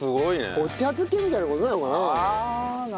お茶漬けみたいな事なのかな？